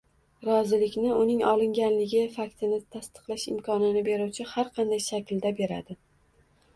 rozilikni uning olinganligi faktini tasdiqlash imkonini beruvchi har qanday shaklda beradi.